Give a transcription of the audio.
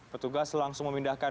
petugas langsung memindahkan